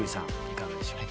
いかがでしょう？